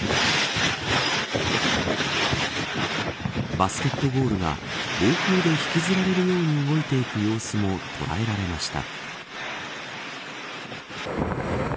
バスケットゴールが暴風で引きずられるように動いていく様子も捉えられました。